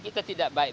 kita tidak baik